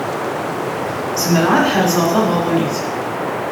Zemreɣ ad ḥerzeɣ tabaḍnit.